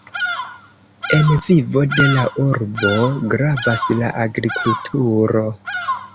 En vivo de la urbo gravas la agrikulturo.